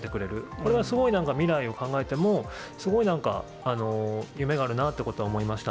これがすごいなんか未来を考えても、すごいなんか夢があるなということは思いました。